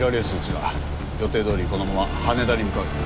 予定どおりこのまま羽田に向かう。